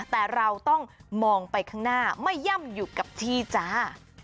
แต่เราต้องมองไปข้างหน้าไม่ย่ำอยู่กับที่จ้า